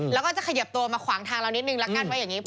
แล้วก็จะขยับตัวมาขวางทางเรานิดหนึ่งแล้วกั้นไว้อย่างนี้